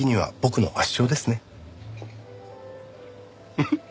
フフッ。